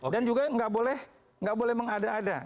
dan juga nggak boleh mengada ada